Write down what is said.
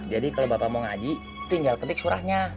jadi kalau bapak mau ngaji tinggal ketik surahnya